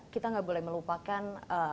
kita nggak boleh melupakan